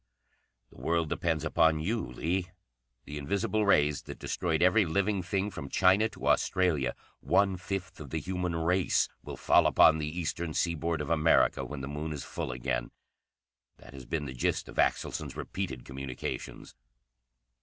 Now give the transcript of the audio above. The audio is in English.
"The world depends upon you, Lee. The invisible rays that destroyed every living thing from China to Australia one fifth of the human race will fall upon the eastern seaboard of America when the moon is full again. That has been the gist of Axelson's repeated communications.